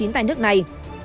tại nước này